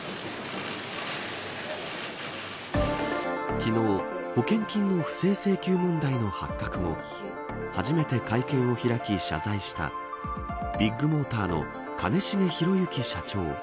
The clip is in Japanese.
昨日、保険金の不正請求問題の発覚後初めて会見を開き、謝罪したビッグモーターの兼重宏行社長。